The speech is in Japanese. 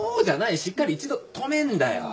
しっかり一度とめんだよ。